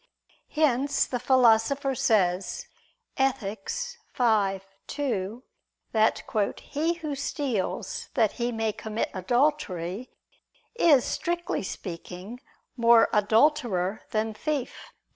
Hence the Philosopher says (Ethic. v, 2) that "he who steals that he may commit adultery, is strictly speaking, more adulterer than thief."